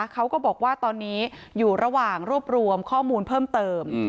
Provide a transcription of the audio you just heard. เขาก็บอกว่าตอนนี้อยู่ระหว่างรวบรวมข้อมูลเพิ่มเติม